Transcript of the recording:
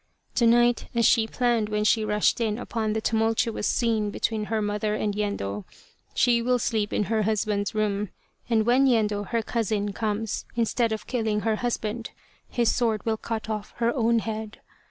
To night as she planned when she rushed in upon the tumultuous scene between her mother and Yendo she will sleep in her husband's room, and when Yendo her cousin comes, instead of killing her husband, his sword will cut off her own head.